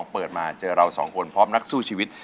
เปิดมาเจอเราสองคนพร้อมนักสู้ชีวิต